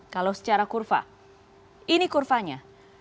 kalau secara kurva ini kurvanya